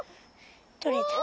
とれた。